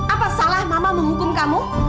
apa salah mama menghukum kamu